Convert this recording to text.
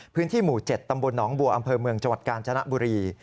พื้นที่หมู่๗ตำบลหนองบัวอำเภอเมืองจังหวัดกาญจนบุรี